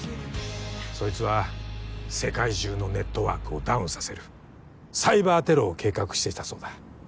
そいつは世界中のネットワークをダウンさせるサイバーテロを計画していたそうだ。